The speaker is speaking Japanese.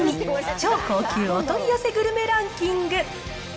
超高級お取り寄せグルメランキング。